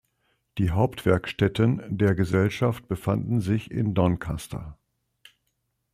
Die Hauptwerkstätten der Gesellschaft befanden sich in Doncaster.